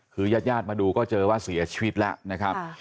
คือญาติญาติมาดูก็เจอว่าเสียชีวิตแล้วนะครับ